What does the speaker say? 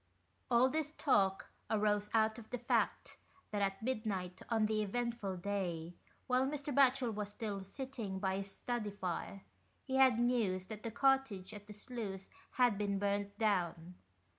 All this talk arose out of the fact that at midnight on the eventful day, whilst Mr. Batchel was still sitting by his study fire, he had news that the cottage at the sluice had been burnt down.